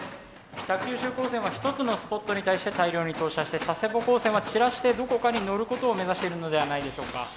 北九州高専は１つのスポットに対して大量に投射して佐世保高専は散らしてどこかにのることを目指しているのではないでしょうか？